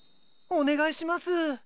お願いします。